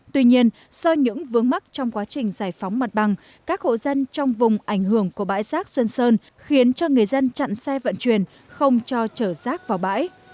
tuy nhiên do những vướng mắc trong quá trình giải phóng mặt bằng các hộ dân trong vùng ảnh hưởng của bãi rác xuân sơn khiến cho người dân chặn xe vận chuyển không cho chở rác vào bãi